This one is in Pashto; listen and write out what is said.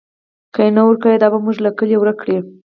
که یې نه ورکوئ، دا به موږ له کلي ورک کړي.